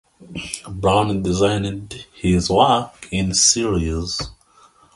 Brown designed his works in series.